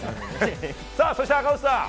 そして赤星さん